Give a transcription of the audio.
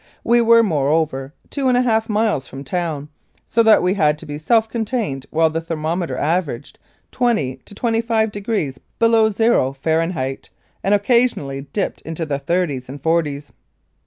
We were, moreover, two and a half miles from town, so that we had to be self contained while the thermometer averaged 20 to 25 below zero, Fahren heit, and occasionally dipped into the thirties and forties.